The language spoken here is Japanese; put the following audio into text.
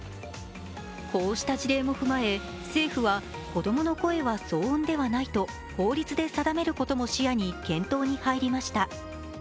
こうした事例も踏まえ、政府は子供の声は騒音ではないと法律で定めることも視野に検討に入りました。